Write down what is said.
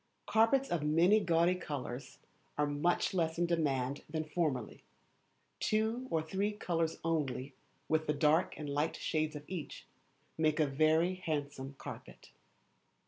Carpets of many gaudy colours are much less in demand than formerly. Two or three colours only, with the dark and light shades of each, make a very handsome carpet.